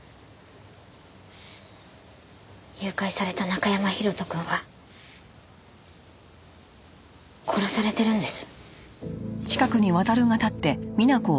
誘拐された中山広斗くんは殺されてるんです。